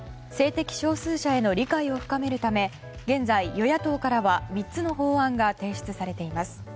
性的少数者への理解を深めるため現在、与野党からは３つの法案が提出されています。